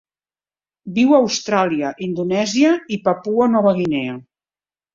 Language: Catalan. Viu a Austràlia, Indonèsia i Papua Nova Guinea.